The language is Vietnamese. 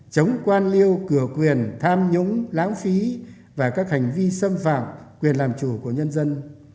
chống quan liêu cửa quyền tham nhũng lãng phí và các hành vi xâm phạm quyền làm chủ của nhân dân